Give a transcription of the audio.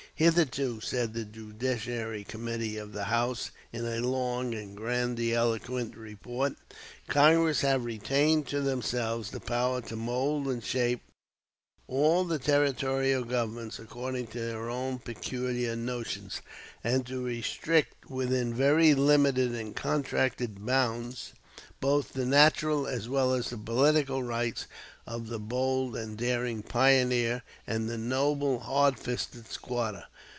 "Hitherto," said the Judiciary Committee of the House in a long and grandiloquent report, "Congress have retained to themselves the power to mold and shape all the territorial governments according to their own peculiar notions, and to restrict within very limited and contracted bounds both the natural as well as the political rights of the bold and daring pioneer and the noble, hard fisted squatter."